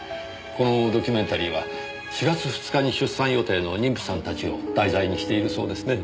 このドキュメンタリーは４月２日に出産予定の妊婦さんたちを題材にしているそうですね。